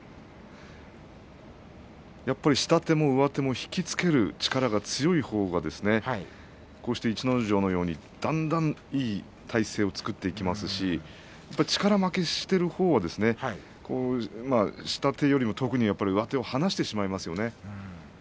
やっぱり下手も上手も引き付ける力が強いほうがこうして逸ノ城のようにだんだんいい体勢を作っていきますしやっぱり力負けしているほうは下手よりも特に上手を離してしまいますよね